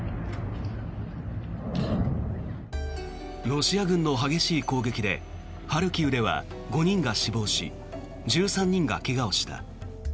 ロシア軍の激しい攻撃でハルキウでは５人が死亡し１３人が怪我をした。